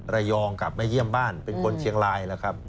ระยองกับไม่เยี่ยมบ้านเป็นคนเชียงราย